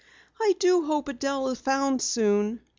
"I do hope Adelle is found soon."